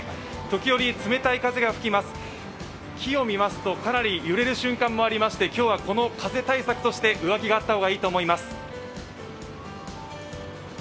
木を見ますと、かなり揺れる瞬間もありまして、今日はこの風対策として上着があった方がいいと思います。